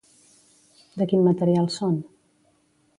De quin material són?